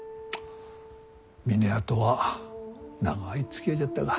峰屋とは長いつきあいじゃったが。